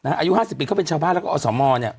อายุ๕๐ปีก็เป็นชาวบ้านแล้วก็อสม